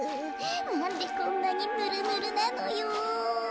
なんでこんなにヌルヌルなのよ。